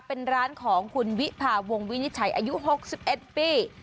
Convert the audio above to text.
เป็นร้านของคุณวิภาวงวินิจฉัยอายุ๖๑ปี